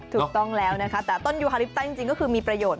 ถูกต้องแล้วนะคะแต่ต้นยูฮาริปต้าจริงก็คือมีประโยชน